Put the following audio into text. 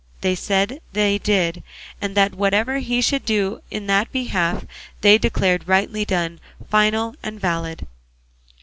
They said they did, and that whatever he should do in that behalf they declared rightly done, final and valid.